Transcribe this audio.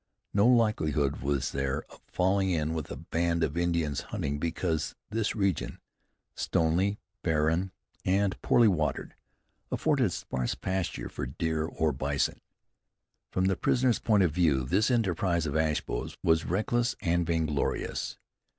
No likelihood was there of falling in with a band of Indians hunting, because this region, stony, barren, and poorly watered, afforded sparse pasture for deer or bison. From the prisoner's point of view this enterprise of Ashbow's was reckless and vainglorious.